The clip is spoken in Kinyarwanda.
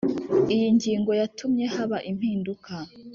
Iyi ngingo yatumye haba impinduka